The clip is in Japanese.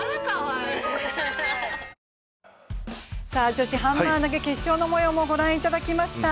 女子ハンマー投げ決勝のもようを御覧いただきました。